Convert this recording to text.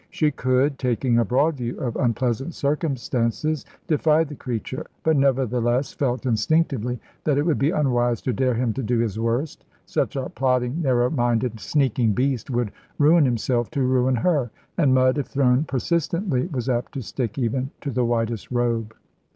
She could, taking a broad view of unpleasant circumstances, defy the creature; but nevertheless felt instinctively that it would be unwise to dare him to do his worst. Such a plotting, narrow minded, sneaking beast would ruin himself to ruin her, and mud, if thrown persistently, was apt to stick even to the whitest robe.